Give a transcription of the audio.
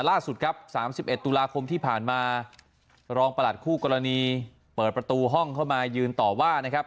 ล่าสุดครับ๓๑ตุลาคมที่ผ่านมารองประหลัดคู่กรณีเปิดประตูห้องเข้ามายืนต่อว่านะครับ